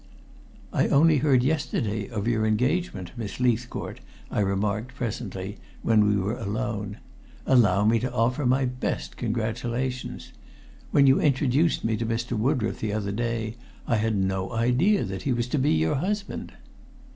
"I only heard yesterday of your engagement, Miss Leithcourt," I remarked presently when we were alone. "Allow me to offer my best congratulations. When you introduced me to Mr. Woodroffe the other day I had no idea that he was to be your husband."